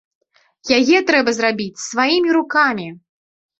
Яе трэба зрабіць сваімі рукамі!